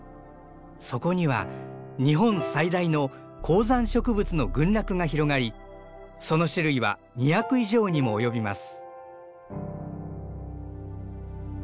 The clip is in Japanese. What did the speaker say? そこには日本最大の高山植物の群落が広がりその種類は２００以上にも及びます。